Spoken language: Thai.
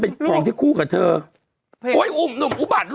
เป็นการกระตุ้นการไหลเวียนของเลือด